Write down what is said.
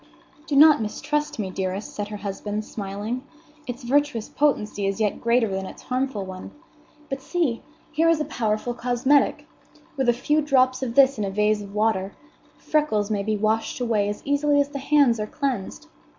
"Do not mistrust me, dearest," said her husband, smiling; "its virtuous potency is yet greater than its harmful one. But see! here is a powerful cosmetic. With a few drops of this in a vase of water, freckles may be washed away as easily as the hands are cleansed.